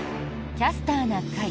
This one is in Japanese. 「キャスターな会」。